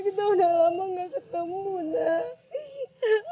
kita udah lama gak ketemu nanti